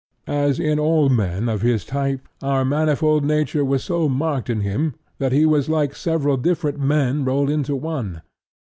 As in all men of his type, our manifold nature was so marked in him that he was like several different men rolled into one.